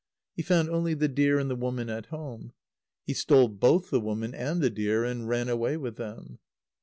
He found only the deer and the woman at home. He stole both the woman and the deer, and ran away with them.